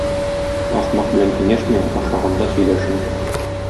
Ахмак белән киңәшмә, ашаганда сөйләшмә.